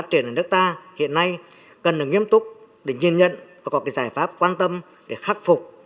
phát triển ở nước ta hiện nay cần được nghiêm túc để nhìn nhận và có cái giải pháp quan tâm để khắc phục